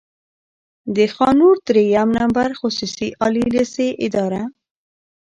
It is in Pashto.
د خان نور دريیم نمبر خصوصي عالي لېسې اداره،